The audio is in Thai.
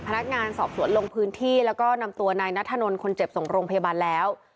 พนักงานสอบสวนลงพื้นที่แล้วก็นำตัวนายนัทธนลคนเจ็บส่งโรงพยาบาลแล้ว